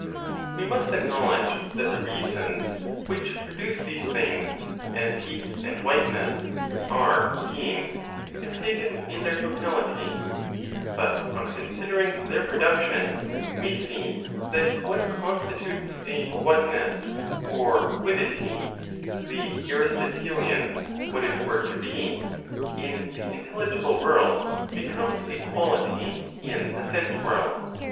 We must acknowledge that the reasons which produce these things (as heat, and whiteness) are beings, if taken in their totality; but on considering their production, we see that what constitutes a whatness or quiddity (the Aristotelian "what it were to be") in the intelligible world, becomes a quality in the sense world.